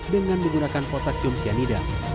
dengan menggunakan potasium cyanida